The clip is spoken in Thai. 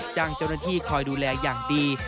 จ้างเจ้าหน้าที่คอยดูแลอย่างดี